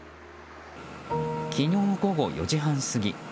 昨日午後４時半過ぎ。